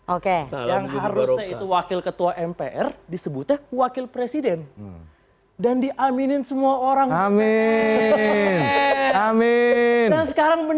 oke yang harusnya itu wakil ketua mpr disebutnya wakil presiden dan diaminin semua orang amin